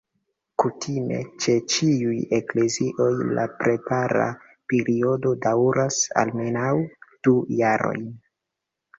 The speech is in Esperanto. Kutime, ĉe ĉiuj eklezioj la prepara periodo daŭras almenaŭ du jarojn.